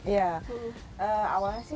ya awalnya sih